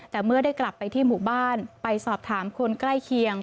แต่เมื่อได้กลับไปที่หมู่บ้านไปสอบถามคนใกล้เคียง